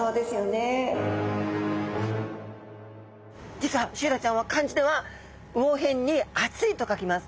実はシイラちゃんは漢字では魚偏に暑いと書きます。